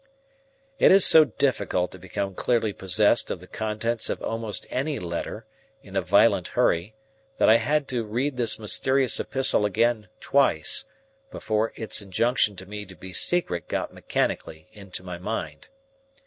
It is so difficult to become clearly possessed of the contents of almost any letter, in a violent hurry, that I had to read this mysterious epistle again twice, before its injunction to me to be secret got mechanically into my mind.